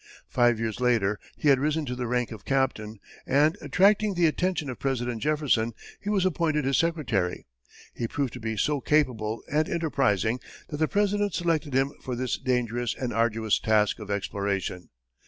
Five years later, he had risen to the rank of captain, and, attracting the attention of President Jefferson, he was appointed his secretary. He proved to be so capable and enterprising that the President selected him for this dangerous and arduous task of exploration.